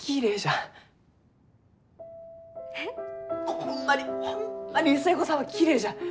ホンマにホンマに寿恵子さんはきれいじゃ。